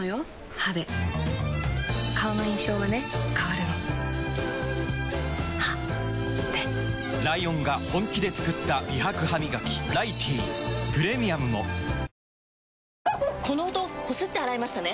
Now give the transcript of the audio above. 歯で顔の印象はね変わるの歯でライオンが本気で作った美白ハミガキ「ライティー」プレミアムもこの音こすって洗いましたね？